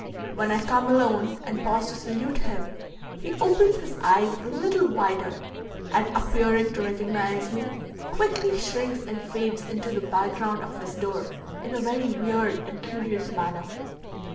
When I come alone and pause to salute him, he opens his eyes a little wider, and, appearing to recognize me, quickly shrinks and fades into the background of his door in a very weird and curious manner.